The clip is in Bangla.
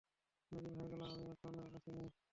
অনেকদিন হয়ে গেল আমি এখানে আসি নি।